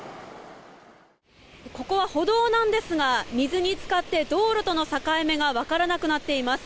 ここは歩道なんですが水に浸かって道路との境目が分からなくなっています。